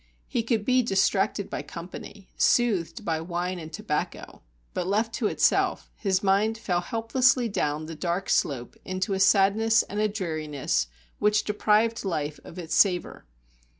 He could be distracted by company, soothed by wine and tobacco; but left to itself, his mind fell helplessly down the dark slope into a sadness and a dreariness which deprived life of its savour.